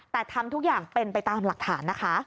แต่ทำทุกอย่างเป็นไปตามหลักฐานนะคะ